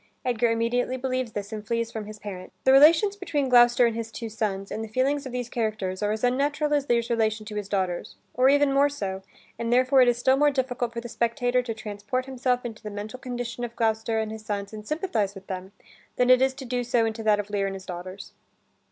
Edgar immediately believes this and flees from his parent. The relations between Gloucester and his two sons, and the feelings of these characters are as unnatural as Lear's relation to his daughters, or even more so, and therefore it is still more difficult for the spectator to transport himself into the mental condition of Gloucester and his sons and sympathize with them, than it is to do so into that of Lear and his daughters.